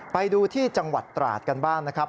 ไปดูที่จังหวัดตราดกันบ้างนะครับ